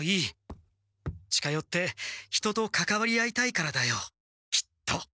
近よって人とかかわり合いたいからだよきっと。